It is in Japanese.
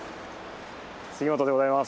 杉本でございます。